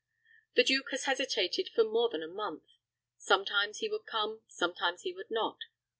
The duke has hesitated for more than a month. Sometimes he would come, sometimes he would not.